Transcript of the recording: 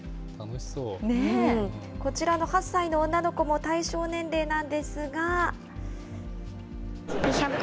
こちらの８歳の女の子も対象年齢なんですが。